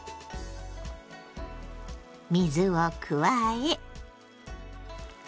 水を加え。